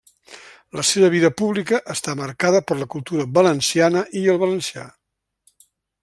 La seua vida pública està marcada per la cultura valenciana i el valencià.